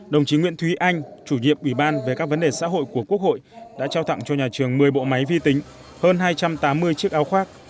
đồng chí nguyễn thúy anh chủ nhiệm ủy ban về các vấn đề xã hội của quốc hội đã trao tặng cho nhà trường một mươi bộ máy vi tính hơn hai trăm tám mươi chiếc áo khoác